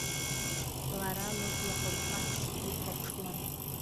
Лара лыблақәа лхаччо дихәаԥшуан…